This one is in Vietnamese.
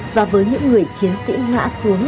và với những người chiến sĩ ngã xuống